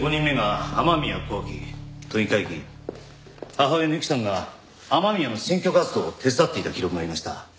母親の雪さんが雨宮の選挙活動を手伝っていた記録がありました。